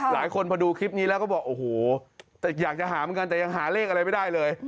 หลายคนพอดูคลิปนี้แล้วก็บอกโอ้โหแต่อยากจะหาเหมือนกันแต่ยังหาเลขอะไรไม่ได้เลย